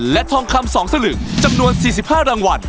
และทองคำ๒สลึงจำนวน๔๕รางวัล